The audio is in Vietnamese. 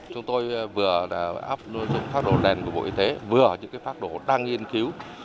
chúng tôi vừa là áp dụng pháp đồ đèn của bộ y tế vừa là những pháp đồ đang nghiên cứu